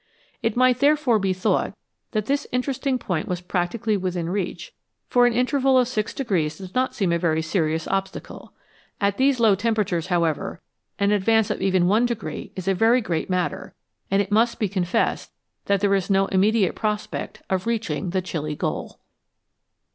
It might therefore be thought that this interesting point was practically within reach, for an interval of 6 does not seem a very serious obstacle. At these low temperatures, however, an advance of even 1 is a very great matter, and it must be confessed that there is no immediate prospect of reaching the chilly goal.